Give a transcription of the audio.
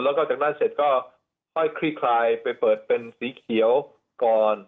แล้วก็จากนั้นเสร็จก็ค่อยคลี่คลายไปเปิดเป็นสีเขียวก่อน